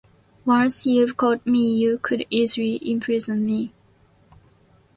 Once you've caught me you could easily imprison me.